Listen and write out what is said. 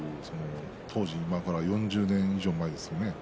当時４０年以上前ですよね。